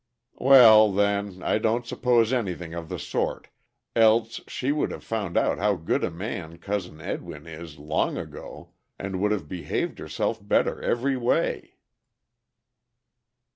"Well, then, I don't suppose anything of the sort, else she would have found out how good a man Cousin Edwin is long ago, and would have behaved herself better every way."